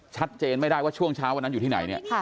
ชัดเจนไม่ได้ว่าช่วงเช้าวันนั้นอยู่ที่ไหนเนี่ย